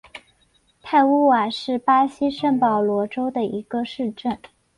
泰乌瓦是巴西圣保罗州的一个市镇。